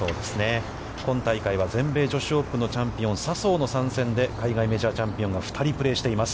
今大会は、全米女子オープンのチャンピオン笹生の参戦で海外メジャーチャンピオンが２人プレーしています。